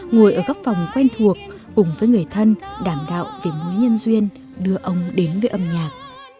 ngồi ở các phòng quen thuộc cùng với người thân đảm đạo về múa nhân duyên đưa ông đến với âm nhạc